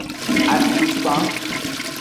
Acukpan.